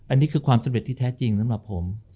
อันนี้คือความสำเร็จที่แท้จริงสำหรับผม